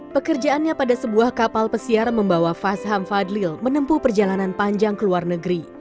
pekerjaannya pada sebuah kapal pesiar membawa fasham fadlil menempuh perjalanan panjang ke luar negeri